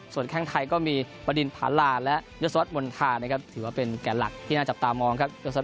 ส่วนแข่งไทยก็มีประดิษฐ์ผาลาและยศวรรษมณฑาถือว่าเป็นแก่หลักที่น่าจับตามอง